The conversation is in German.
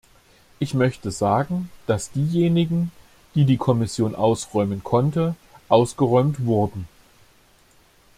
Ich möchte sagen, dass diejenigen, die die Kommission ausräumen konnte, ausgeräumt wurden.